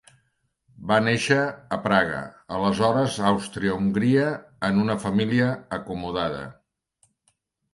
Va néixer a Praga, aleshores Àustria-Hongria, en una família acomodada.